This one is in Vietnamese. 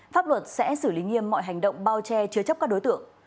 pháp luật sẽ xử lý nghiêm mọi hành động bao che chứa chấp các đối tượng